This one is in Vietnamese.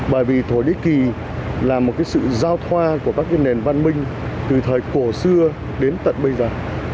bởi vì thổ nhĩ kỳ là một sự giao thoa của các nền văn minh từ thời cổ xưa đến tận bây giờ